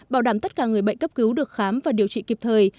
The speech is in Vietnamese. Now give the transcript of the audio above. bảo đảm tất cả người bệnh cấp cứu được khám và điều trị kịp thời